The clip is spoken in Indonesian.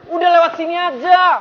udah lewat sini aja